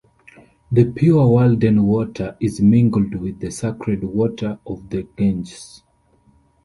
The pure Walden water is mingled with the sacred water of the Ganges.